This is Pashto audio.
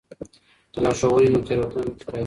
که لارښوونه وي نو تېروتنه نه تکراریږي.